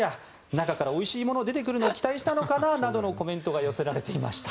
中からおいしいもの出てくるの期待したのかな？などのコメントが寄せられていました。